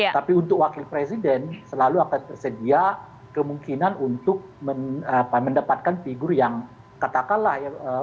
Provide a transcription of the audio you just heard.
tapi untuk wakil presiden selalu akan tersedia kemungkinan untuk menambahkan suara yang lebih rendah